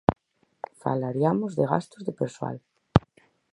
Falariamos de gastos de persoal.